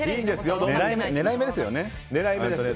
狙い目ですよね。